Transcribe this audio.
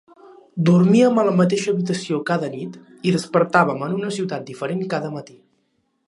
Dormíem a la mateixa habitació cada nit i despertàvem en una ciutat diferent cada matí.